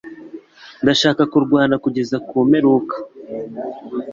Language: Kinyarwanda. Ndashaka kurwana kugeza imperuka (Scott)